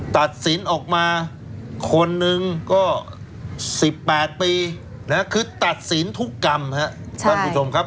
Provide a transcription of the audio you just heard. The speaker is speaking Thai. ตัดศีลออกมาคนหนึ่งก็๑๘ปีคือตัดศีลทุกกรรมครับ